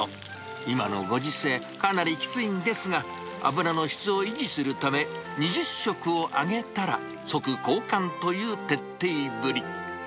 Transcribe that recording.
今のご時世、かなりきついんですが、油の質を維持するため、２０食を揚げたら即交換という徹底ぶり。